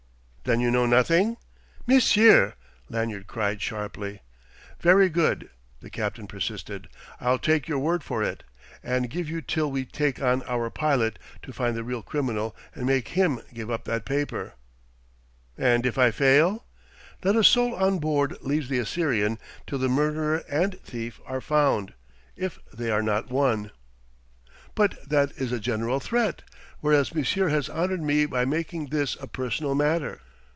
"Then you know nothing ?" "Monsieur!" Lanyard cried sharply. "Very good," the captain persisted. "I'll take your word for it and give you till we take on our pilot to find the real criminal and make him give up that paper." "And if I fail?" "Not a soul on board leaves the Assyrian till the murderer and thief are found if they are not one." "But that is a general threat; whereas monsieur has honoured me by making this a personal matter.